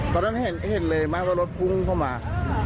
ตอนนั้นเห็นเลยมากว่ารถพุ่งเข้ามา